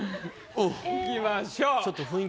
いきましょう。